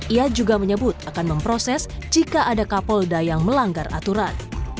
ia juga menyebut akan memproses jika ada kapolda yang melanggar aturan